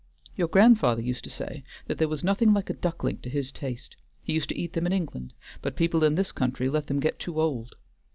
Your grandfather used to say that there was nothing like a duckling to his taste; he used to eat them in England, but people in this country let them get too old.